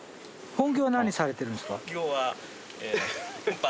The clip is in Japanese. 本業は何されてるんですか？